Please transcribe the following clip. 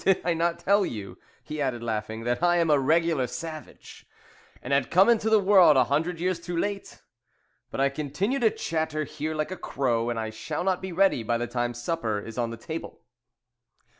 Did I not tell you," he added, laughing, "that I am a regular savage, and had come into the world a hundred years too late? But I continue to chatter here like a crow, and I shall not be ready by the time supper is on the table."